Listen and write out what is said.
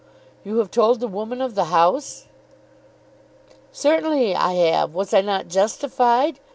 "You have told the woman of the house?" "Certainly I have. Was I not justified?